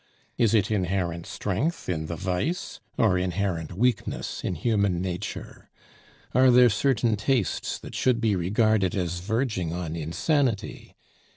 Is it inherent strength in the vice, or inherent weakness in human nature? Are there certain tastes that should be regarded as verging on insanity?